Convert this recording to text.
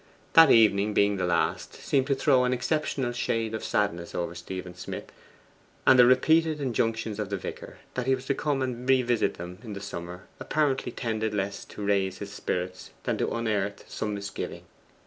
That evening, being the last, seemed to throw an exceptional shade of sadness over Stephen Smith, and the repeated injunctions of the vicar, that he was to come and revisit them in the summer, apparently tended less to raise his spirits than to unearth some misgiving.